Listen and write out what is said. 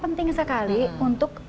penting sekali untuk